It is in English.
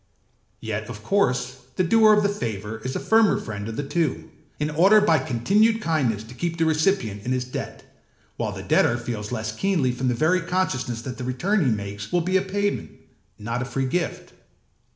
Yet, of course, the doer of the favour is the firmer friend of the two, in order by continued kindness to keep the recipient in his debt; while the debtor feels less keenly from the very consciousness that the return he makes will be a payment, not a free gift.